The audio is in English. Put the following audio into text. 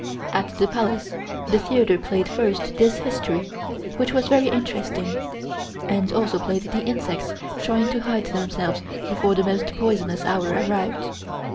At the Palace the theatre played first this history, which was very interesting, and also played the insects trying to hide themselves before the most poisonous hour arrived.